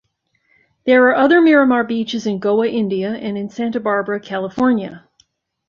There are other Miramar Beaches in Goa, India and in Santa Barbara, California.